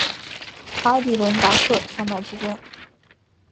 阿第伦达克山脉之间。